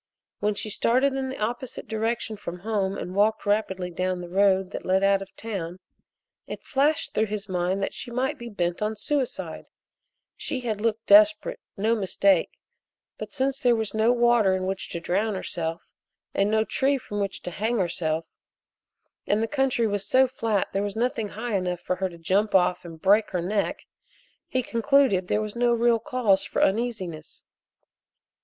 When she started in the opposite direction from home and walked rapidly down the road that led out of town it flashed through his mind that she might be bent on suicide she had looked desperate, no mistake, but, since there was no water in which to drown herself, and no tree from which to hang herself, and the country was so flat that there was nothing high enough for her to jump off of and break her neck, he concluded there was no real cause for uneasiness.